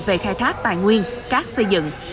về khai thác tài nguyên các xây dựng